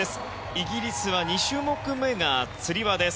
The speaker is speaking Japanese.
イギリスは２種目めがつり輪です。